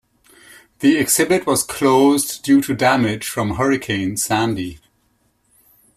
The exhibit was closed due to damage from Hurricane Sandy.